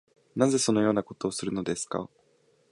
なぜそのようなことをするのですか